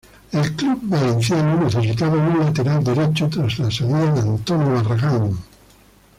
El club valenciano necesitaba un lateral derecho tras la salida de Antonio Barragán.